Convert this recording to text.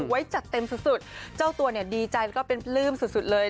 ไว้จัดเต็มสุดเจ้าตัวดีใจก็เป็นพลื้มสุดเลย